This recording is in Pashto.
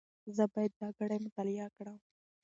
زه باید دا ګړې مطالعه کړم.